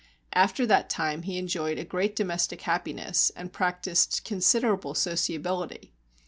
After that time he enjoyed a great domestic happiness, and practised considerable sociability.